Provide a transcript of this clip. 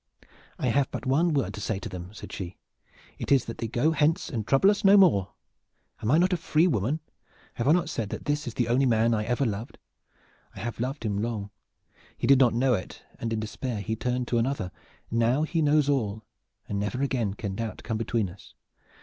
"I have but one word to say to them," said she. "It is that they go hence and trouble us no more. Am I not a free woman? Have I not said that this is the only man I ever loved? I have loved him long. He did not know it, and in despair he turned to another. Now he knows all and never again can doubt come between us.